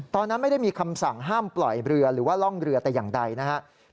ตอนนั้นไม่ได้มีคำสั่งห้ามปล่อยเรือหรือว่าร่องเรือแต่อย่างใดนะครับ